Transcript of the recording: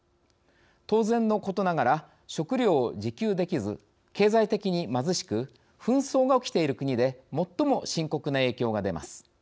当然のことながら食糧を自給できず経済的に貧しく紛争が起きている国で最も深刻な影響が出ます。